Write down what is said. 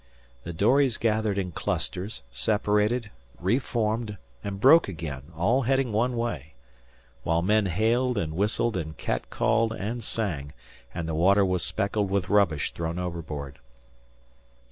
The dories gathered in clusters, separated, reformed, and broke again, all heading one way; while men hailed and whistled and cat called and sang, and the water was speckled with rubbish thrown overboard.